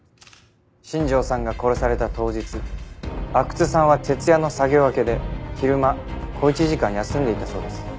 新庄さんが殺された当日阿久津さんは徹夜の作業明けで昼間小一時間休んでいたそうです。